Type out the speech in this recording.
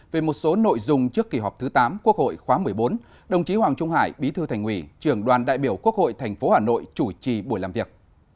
về một số nội dung trước kỳ họp thứ tám quốc hội khóa một mươi bốn đồng chí hoàng trung hải bí thư thành ủy trưởng đoàn đại biểu quốc hội tp hà nội chủ trì buổi làm việc